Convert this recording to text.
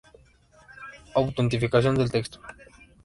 Autenticación del texto.